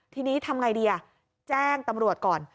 ทีนี้ทำไงดีแจ้งตำรวจก่อน